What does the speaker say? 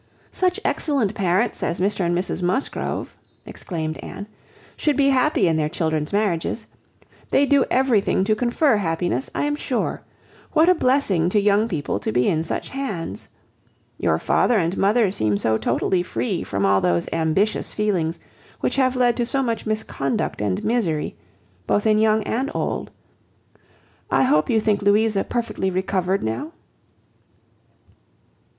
"Such excellent parents as Mr and Mrs Musgrove," exclaimed Anne, "should be happy in their children's marriages. They do everything to confer happiness, I am sure. What a blessing to young people to be in such hands! Your father and mother seem so totally free from all those ambitious feelings which have led to so much misconduct and misery, both in young and old. I hope you think Louisa perfectly recovered now?"